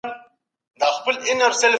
پوهان بايد ټولنيزي ستونزي رابرسېره کړي.